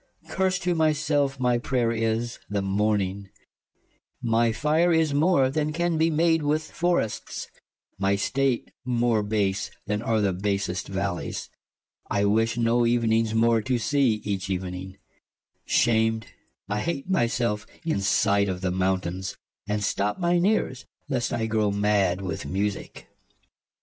Klaius. Curse to my selfe my prayer is, the morning : My fire is more, then can be made with forrests ; My state more base, then are the basest vallies : I wish no evenings more to see, each evening \ Shamed I have my selfe in sight of mountaines , And stoppe mine eares, lest I growe mad with Musicke